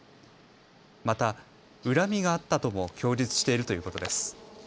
また恨みがあったとも供述しているということです。